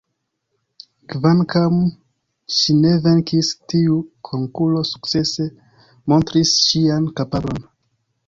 Kvankam ŝi ne venkis, tiu konkuro sukcese montris ŝian kapablon.